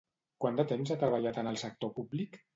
Quant de temps ha treballat en el sector públic?